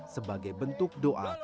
sebagai bentuk doa